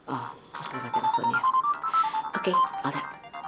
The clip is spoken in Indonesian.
oh aku dapat teleponnya oke alda